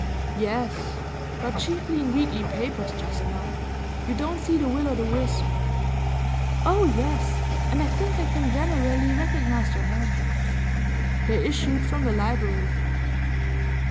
'Yes; but chiefly in weekly papers just now. You don't see the Will o' the Wisp?' 'Oh yes. And I think I can generally recognise your hand.' They issued from the library.